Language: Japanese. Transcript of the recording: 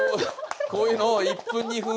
こういうのを１分２分。